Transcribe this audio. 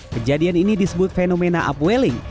kejadian ini disebut fenomena upwelling